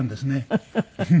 フフフフ！